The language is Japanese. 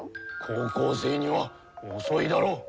高校生には遅いだろ。